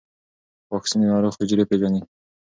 واکسین د ناروغ حجرې پېژني.